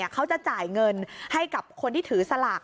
เขาจะจ่ายเงินให้กับคนที่ถือสลาก